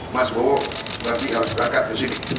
mas bowo berarti harus berangkat kesini